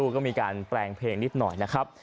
ก็มีการแปลงเพลงนิดหน่อยนะครับ